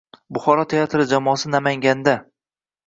Buxoro teatri jamoasi Namanganda